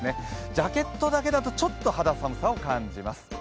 ジャケットだけだとちょっと肌寒さを感じます。